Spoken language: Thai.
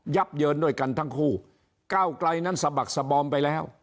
ับเยินด้วยกันทั้งคู่ก้าวไกลนั้นสะบักสบอมไปแล้ว